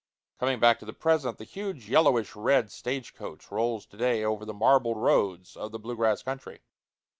Coming back to the present, the huge yellowish red stage coach rolls to day over the marbled roads of the blue grass country.